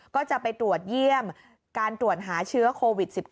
ก็จะไปตรวจเยี่ยมการตรวจหาเชื้อโควิด๑๙